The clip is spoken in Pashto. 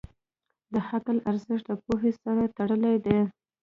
د عقل ارزښت د پوهې سره تړلی دی.